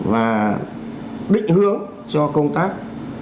và định hướng cho công tác